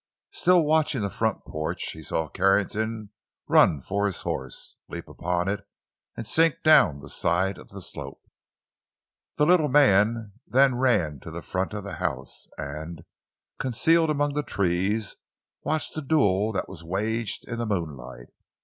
Still watching the front porch, he saw Carrington run for his horse, leap upon it and sink down the side of the slope. The little man then ran to the front of the house and, concealed among the trees, watched the duel that was waged in the moonlight.